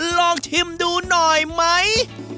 ลองชิมดูหน่อยไหม